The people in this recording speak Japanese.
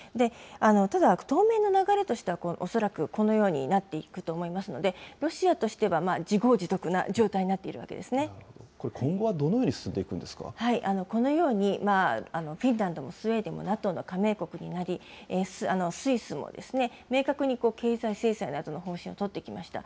ただ、当面の流れとしては、恐らくこのようになっていくと思いますので、ロシアとしては自業自得今後はどのように進んでいくこのように、フィンランドもスウェーデンもＮＡＴＯの加盟国になり、スイスも明確に経済制裁などの方針を取ってきました。